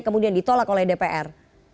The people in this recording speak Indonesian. kemudian ditolak oleh dpr